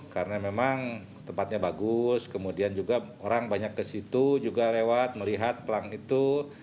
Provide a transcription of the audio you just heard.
karena memang tempatnya bagus kemudian juga orang banyak kesitu juga lewat melihat plang itu